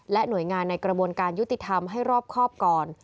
หน่วยงานในกระบวนการยุติธรรมให้รอบครอบก่อน